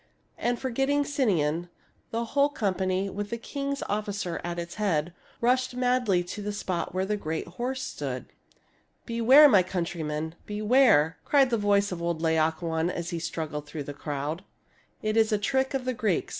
And, forgetting Sinon, the whole com pany, with the king's officer at its head, rushed madly to the spot where the great horse stood. " Beware, my countrymen, beware !" cried the voice of old Laocoon, as he struggled through the crowd. " This is a trick of the Greeks.